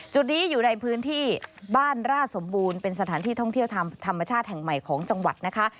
จุดนี้อยู่ในพื้นที่บ้านร่าสมบูรณ์เป็นสถานที่ท่องเที่ยวทางธรรมชาติแห่งใหม่ของจังหวัดนะคะ